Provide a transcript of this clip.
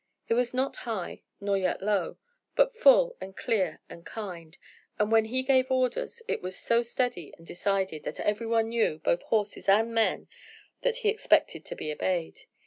It was not high, nor yet low, but full, and clear, and kind, and when he gave orders it was so steady and decided, that every one knew, both horses and men, that he expected to be obeyed.